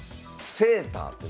セーター？